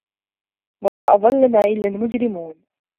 وَما أَضَلَّنا إِلَّا المُجرِمونَ